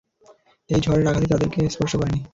এ ঝড়ের আঘাতে তাদেরকে স্পর্শ করেনি।